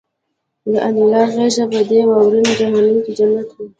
د انیلا غېږه په دې واورین جهنم کې جنت وه